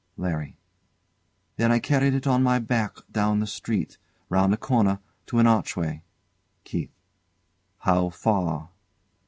LARRY. Then I carried it on my back down the street, round a corner, to an archway. KEITH. How far?